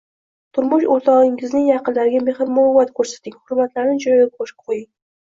Turmush o‘rtog‘ingizning yaqinlariga mehr-muruvvat ko‘rsating, hurmatlarini joyiga qo‘ying.